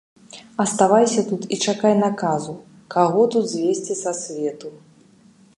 Аставайся тут і чакай наказу, каго тут звесці са свету.